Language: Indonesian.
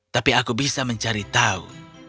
tapi aku bisa mencari tahu